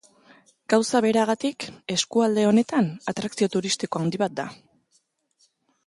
Gauza beragatik, eskualde honetan, atrakzio turistiko handi bat da.